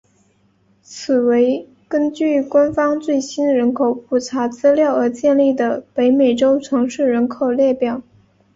此为根据官方最新人口普查资料而建立的北美洲城市人口列表。